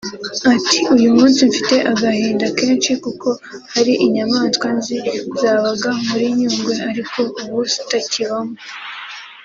Ati “ Uyu munsi mfite agahinda kenshi kuko hari inyamaswa nzi zabaga muri Nyungwe ariko ubu zitakibamo